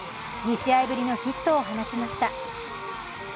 ２試合ぶりのヒットを放ちました。